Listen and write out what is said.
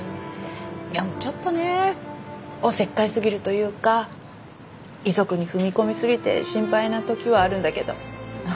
ちょっとねおせっかいすぎるというか遺族に踏み込みすぎて心配な時はあるんだけど。